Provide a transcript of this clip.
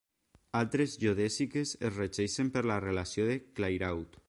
Altres geodèsiques es regeixen per la relació de Clairaut.